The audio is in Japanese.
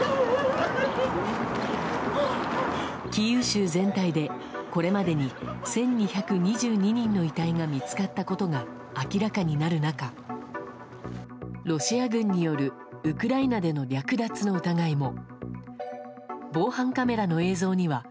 キーウ州全体でこれまでに１２２２人の遺体が見つかったことが明らかになる中ロシア軍によるウクライナでの略奪の疑いも。